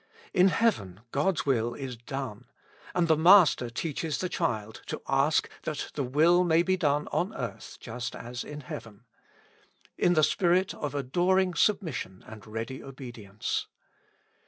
In heaven God's will is done, and the Master teaches the child to ask that the will may be done on earth just as in heaven ; in the spirit of adoring submission and ready obedience.